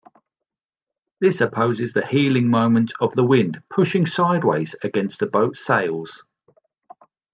This opposes the heeling moment of the wind pushing sideways against the boat's sails.